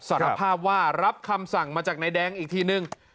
สารภาพว่ารับคำสั่งมาจากนายแดงอีกทีนึง